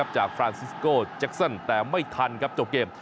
จากฟรานซิสโกเจ็กซ่อนแต่ไม่ทันจบเกม